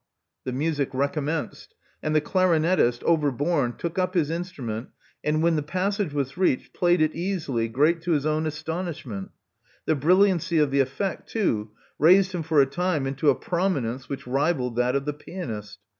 The music recommenced; and the clarinettist, overborne, took up his instrument, and, when the passage was reached, played it easily, greatly to his own astonishment. The brilliancy of the effect, too, raised him for a time into a prominence which rivalled that of the pianist.